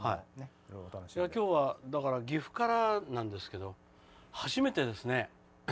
きょうは岐阜からなんですけど初めてですね